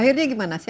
akhirnya gimana sih